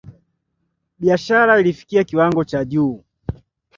Biashara ilifikia kiwango cha juu